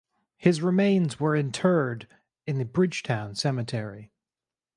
His remains were interred in the Bridgetown cemetery.